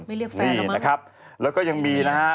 ไม่เรียกแฟนเหรอมั้งนี่นะครับแล้วก็ยังมีนะฮะ